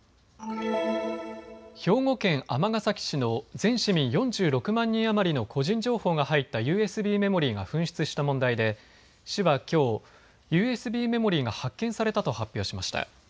兵庫県尼崎市の全市民４６万人余りの個人情報が入ったＵＳＢメモリーが紛失した問題で市はきょう、ＵＳＢメモリーが発見されたと発表しました。